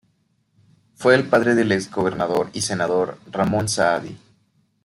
Fue el padre del exgobernador y senador Ramón Saadi.